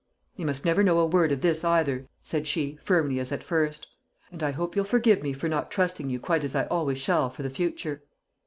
"He must never know a word of this either," said she, firmly as at first. "And I hope you'll forgive me for not trusting you quite as I always shall for the future."